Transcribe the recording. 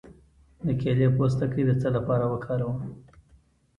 د کیلې پوستکی د څه لپاره وکاروم؟